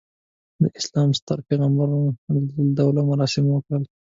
د اسلام ستر پیغمبر حجته الوداع مراسم وکړل.